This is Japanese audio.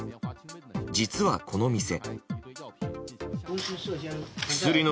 実は、この店。